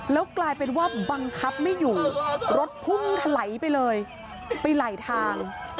แล้วกลายเป็นว่าบังคับไม่อยู่รถพุ่งถลายไปเลยไปไหลทาง